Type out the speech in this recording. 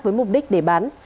với mục đích để bán